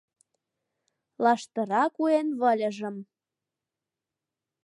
Лаштыра куэн выльыжым